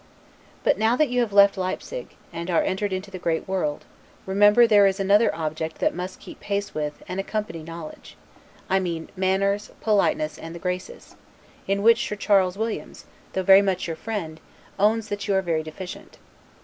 But now that you have left Leipsig, and are entered into the great world, remember there is another object that must keep pace with, and accompany knowledge; I mean manners, politeness, and the Graces; in which Sir Charles Williams, though very much your friend, owns that you are very deficient.